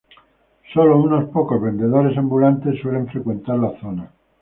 Sólo unos pocos vendedores ambulantes suelen frecuentar la zona.